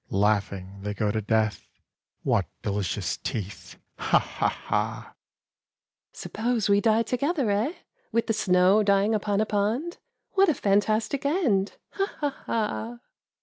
Laughing they go to death, Wliat delicious teeth, ha ! ha ! ha ! Suppose we d^e together, eh, With the snow dying upon a pond ? What a fantastic end, ha ! ha ! ha